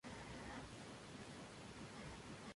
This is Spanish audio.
El primer equipo es gestionado por Grupo Impacto Soccer.